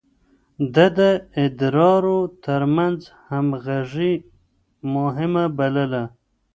ده د ادارو ترمنځ همغږي مهمه بلله.